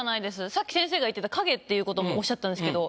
さっき先生が言ってた影っていうこともおっしゃったんですけど